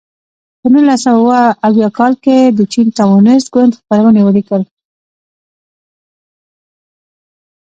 په نولس سوه اووه اویا کال کې د چین کمونېست ګوند خپرونې ولیکل.